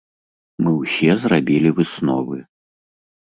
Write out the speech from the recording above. Мы ўсе зрабілі высновы.